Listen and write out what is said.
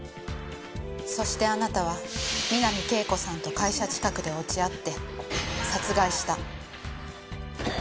そしてあなたは三波圭子さんと会社近くで落ち合って殺害した。